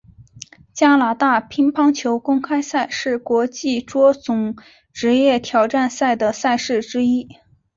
加拿大乒乓球公开赛是国际桌总职业挑战赛的赛事之一。